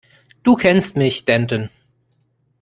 Du kennst mich, Danton.